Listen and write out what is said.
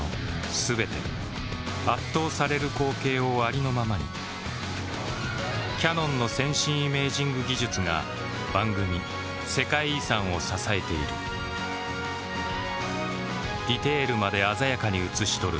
全て圧倒される光景をありのままにキヤノンの先進イメージング技術が番組「世界遺産」を支えているディテールまで鮮やかに映し撮る